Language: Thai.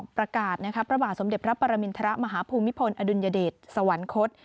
ประกาศพระบาทสมเด็จพระปรมินทรมาฮภูมิพลอดุลยเดชสวรรคต